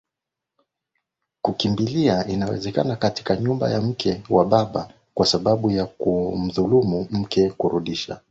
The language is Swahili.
kukimbilia inawezekana katika nyumba ya mke wa baba kwa sababu ya kumdhulumu mke Kurudisha